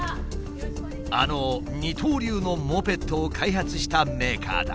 あの二刀流のモペットを開発したメーカーだ。